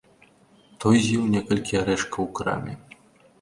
Той з'еў некалькі арэшкаў у краме.